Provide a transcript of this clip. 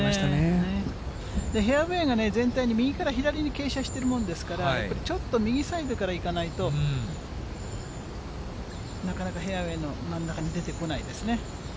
フェアウエーが全体に右から左に傾斜しているもんですから、やっぱりちょっと右サイドからいかないと、なかなかフェアウエーの真ん中に出てこないですね。